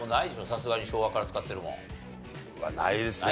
さすがに昭和から使ってるもの。はないですね。